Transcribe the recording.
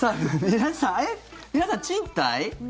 皆さん賃貸？